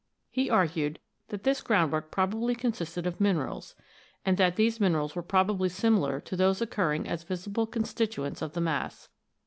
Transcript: He argued that this groundwork probably consisted of minerals, and that these minerals were probably similar to those occur ring as visible constituents of the mass.